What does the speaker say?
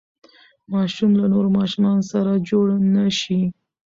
ماشوم له نورو ماشومانو سره جوړ نه شي.